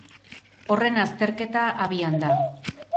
Horren azterketa abian da.